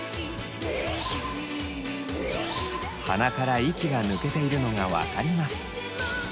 鼻から息が抜けているのが分かります。